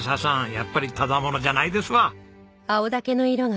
やっぱりただ者じゃないですわ。